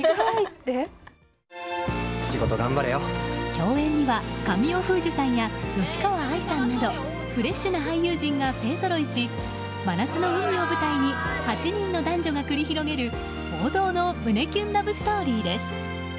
共演には神尾楓珠さんや吉川愛さんなどフレッシュな俳優陣が勢ぞろいし真夏の海を舞台に８人の男女が繰り広げる、王道の胸キュンラブストーリーです。